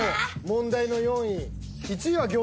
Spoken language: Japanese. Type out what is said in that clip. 問題の４位。